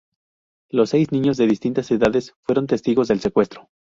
Los seis niños, de distintas edades, fueron testigos del secuestro.